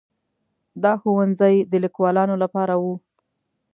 دا ښوونځي د لیکوالانو لپاره وو.